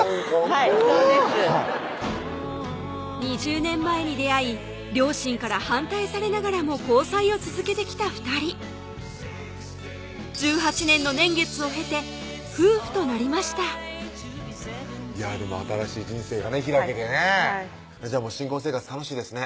はいそうです２０年前に出会い両親から反対されながらも交際を続けてきた２人１８年の年月を経て夫婦となりましたでも新しい人生がね開けてねはいじゃあ新婚生活楽しいですね